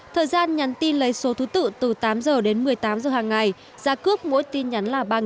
thời gian nhắn tin lấy số thứ tự từ tám giờ đến một mươi tám giờ hàng ngày giá cướp mỗi tin nhắn là ba đồng